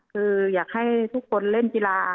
คืออยากให้ทุกคนเล่นกีฬา